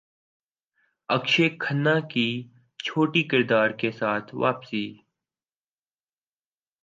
اکشے کھنہ کی چھوٹے کردار کے ساتھ واپسی